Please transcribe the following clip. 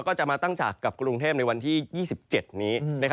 ก็จะมาตั้งฉากกับกรุงเทพในวันที่๒๗นี้